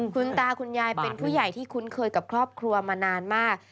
คุณตาคุณยายเป็นผู้ใหญ่ที่คุ้นเคยกับครอบครัวมานานมาก